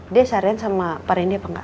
dia syarian sama pak rendy apa enggak